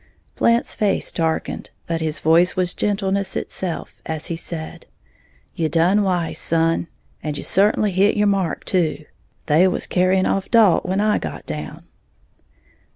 Blant's face darkened, but his voice was gentleness itself as he said, "You done wise, son; and you certainly hit your mark, too, they was carrying off Dalt when I got down."